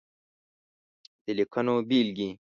د ليکنو بېلګې :